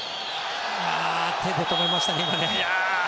手で止めましたね。